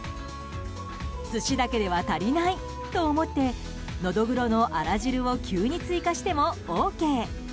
寿司だけでは足りないと思ってノドグロのあら汁を急に追加してもＯＫ！